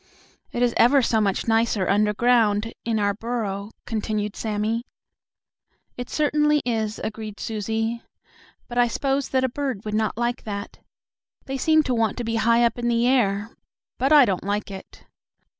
"It is ever so much nicer underground in our burrow," continued Sammie. "It certainly is," agreed Susie, "but I s'pose that a bird would not like that. They seem to want to be high up in the air. But I don't like it.